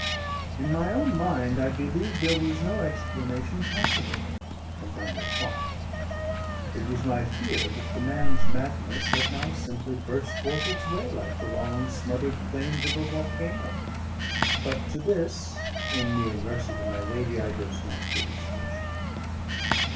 In my own mind I believed there was no explanation possible, and none required; it was my fear that the man's madness had now simply burst forth its way, like the long smothered flames of a volcano; but to this (in mere mercy to my lady) I durst not give expression.